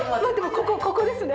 ここここですね